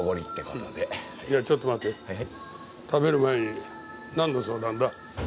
食べる前になんの相談だ？